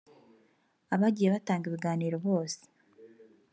Abagiye batanga ibiganiro bose